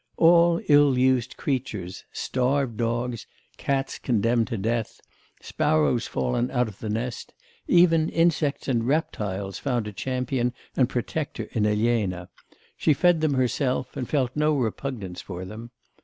All ill used creatures, starved dogs, cats condemned to death, sparrows fallen out of the nest, even insects and reptiles found a champion and protector in Elena; she fed them herself, and felt no repugnance for them.